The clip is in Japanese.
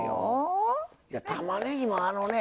いやたまねぎもあのね